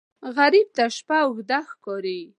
غریب ته شپه اوږده ښکاري